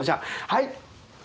はい。